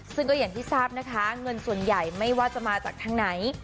ซึ่งก็อย่างที่ทราบนะคะเงินส่วนใหญ่ไม่ว่าจะมาจากทางไหน